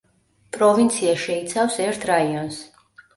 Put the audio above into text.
პროვინცია შეიცავს ერთ რაიონს.